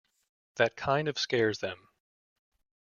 That kind scares them.